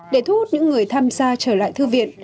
để thu hút những người tham gia trở lại thư viện